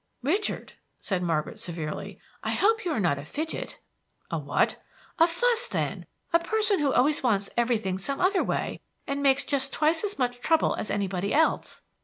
"Richard," said Margaret severely, "I hope you are not a fidget." "A what?" "A fuss, then, a person who always wants everything some other way, and makes just twice as much trouble as anybody else."